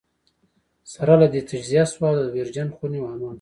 سره له دې تجزیه شوه او د ویرجن خوني حمام شوه.